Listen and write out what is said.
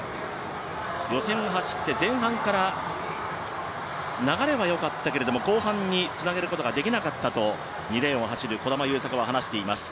予選を走って前半から流れはよかったけれども、後半につなげることができなかったと２レーンを走る児玉悠作は話しています。